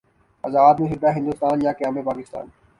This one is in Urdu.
آزاد متحدہ ہندوستان یا قیام پاکستان؟